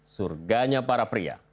surganya para pria